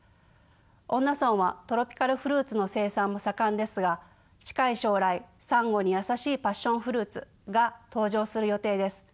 恩納村はトロピカルフルーツの生産も盛んですが近い将来サンゴに優しいパッションフルーツが登場する予定です。